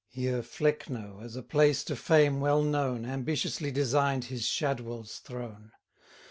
Here Flecknoe, as a place to fame well known, Ambitiously design'd his Shadwell's throne.